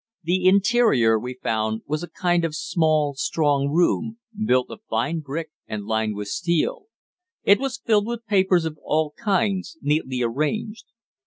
The interior, we found, was a kind of small strong room built of fire brick, and lined with steel. It was filled with papers of all kinds neatly arranged.